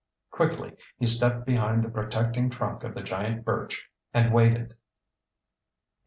Quickly he stepped behind the protecting trunk of the giant birch, and waited.